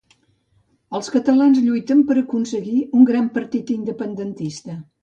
Els catalans lluiten per aconseguir un gran partit independentista.